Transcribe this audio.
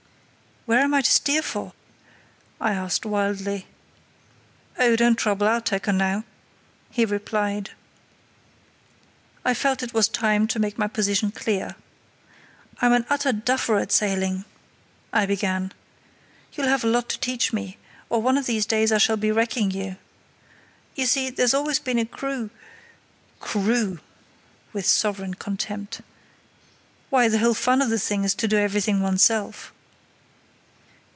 "Where am I to steer for?" I asked, wildly. "Oh, don't trouble, I'll take her now," he replied. I felt it was time to make my position clear. "I'm an utter duffer at sailing," I began. "You'll have a lot to teach me, or one of these days I shall be wrecking you. You see, there's always been a crew——" "Crew!"—with sovereign contempt—"why, the whole fun of the thing is to do everything oneself."